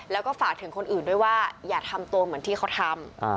แล้วก็ฝากถึงคนอื่นด้วยว่าอย่าทำตัวเหมือนที่เขาทำ